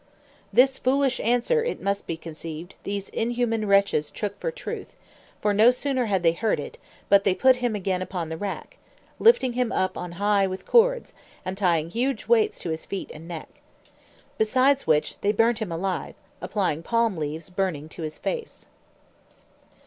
This foolish answer, it must be conceived, these inhuman wretches took for truth: for no sooner had they heard it, but they put him again upon the rack, lifting him up on high with cords, and tying huge weights to his feet and neck. Besides which, they burnt him alive, applying palm leaves burning to his face.